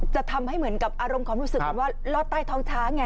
จะทำให้เหมือนกับอารมณ์ความรู้สึกเหมือนว่ารอดใต้ท้องช้างไง